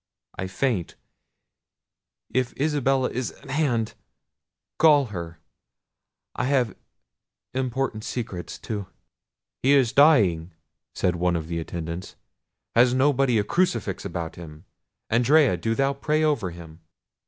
I faint. If Isabella is at hand—call her—I have important secrets to—" "He is dying!" said one of the attendants; "has nobody a crucifix about them? Andrea, do thou pray over him."